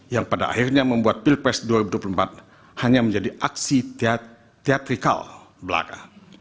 yang pada akhirnya membuat pilpres dua ribu dua puluh empat hanya menjadi aksi teatrikal belaka